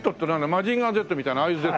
『マジンガーＺ』みたいなああいう「Ｚ」？